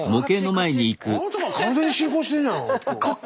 あなたが完全に進行してるじゃない今日。